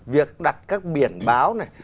việc đặt các biển báo này